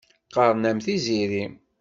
Qqaṛen-am Tiziri.